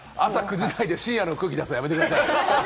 朝９時台で深夜の空気出すのやめてください。